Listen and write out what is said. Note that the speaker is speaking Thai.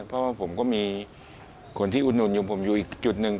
เพราะว่าผมก็มีคนที่อุดหนุนอยู่ผมอยู่อีกจุดหนึ่ง